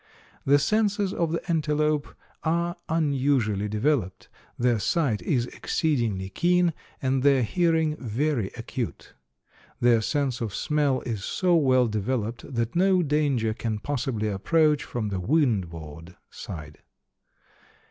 The senses of the antelope are unusually developed. Their sight is exceedingly keen and their hearing very acute. Their sense of smell is so well developed that no danger can possibly approach from the windward side.